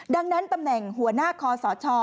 ดังนั้นตำแหน่งหัวหน้าคอสช